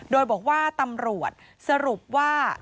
โดยบอกว่าตำรวจสรุปว่า